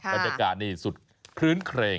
บรรยากาศนี่สุดคลื้นเครง